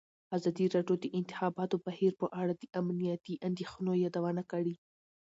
ازادي راډیو د د انتخاباتو بهیر په اړه د امنیتي اندېښنو یادونه کړې.